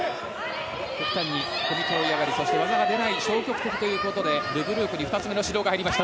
組み手を嫌がるそして技が出ない消極的ということでル・ブルークに２つ目の指導が入りました。